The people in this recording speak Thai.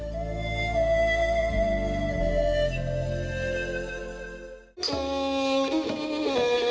โปรดติดตามตอนต่อไป